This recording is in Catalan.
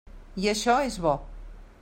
I això és bo.